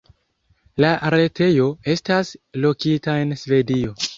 La retejo estas lokita en Svedio.